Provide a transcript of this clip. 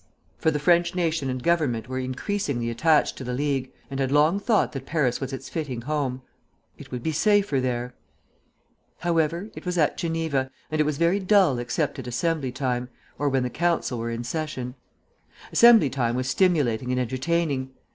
For the French nation and government were increasingly attached to the League, and had long thought that Paris was its fitting home. It would be safer there. However, it was at Geneva, and it was very dull except at Assembly time, or when the Council were in session. Assembly time was stimulating and entertaining.